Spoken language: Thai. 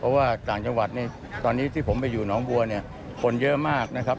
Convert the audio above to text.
เพราะว่าต่างจังหวัดเนี่ยตอนนี้ที่ผมไปอยู่หนองบัวเนี่ยคนเยอะมากนะครับ